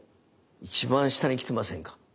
一番下に来てませんか？